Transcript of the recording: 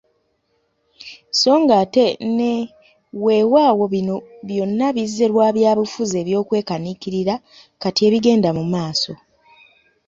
So ng’ate ne Weewaawo bino byonna bizze lwa byabufuzi eby’okwekaniikirira kati ebigenda mu maaso.